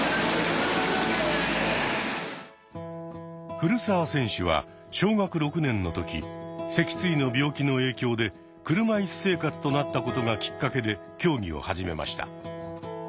古澤選手は小学６年の時脊椎の病気の影響で車いす生活となったことがきっかけで競技を始めました。